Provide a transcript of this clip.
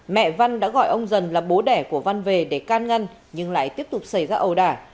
mẹ văn đã gọi ông dần là bố đẻ của văn về để can ngăn nhưng lại tiếp tục xảy ra ẩu đả